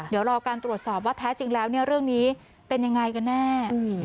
เดี๋ยวรอการตรวจสอบว่าแท้จริงแล้วเรื่องนี้เป็นยังไงกันแน่